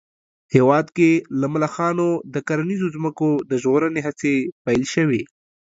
هېواد کې له ملخانو د کرنیزو ځمکو د ژغورنې هڅې پيل شوې